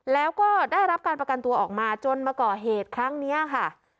แล้วก็ได้รับการประกันตัวออกมาจนมาก่อเหตุครั้งนี้ค่ะ